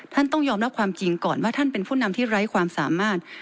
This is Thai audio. ต้องยอมรับความจริงก่อนว่าท่านเป็นผู้นำที่ไร้ความสามารถ